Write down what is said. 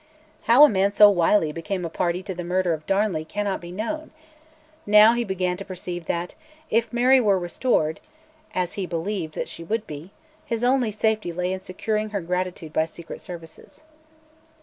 How a man so wily became a party to the murder of Darnley cannot be known: now he began to perceive that, if Mary were restored, as he believed that she would be, his only safety lay in securing her gratitude by secret services.